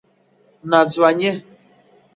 ناځواني،